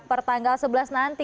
pertanggal sebelas nanti